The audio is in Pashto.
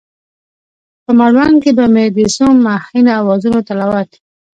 په مړوند کې به مې د څو مهینو اوازونو تلاوت،